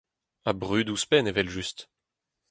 Ha brud ouzhpenn evel-just.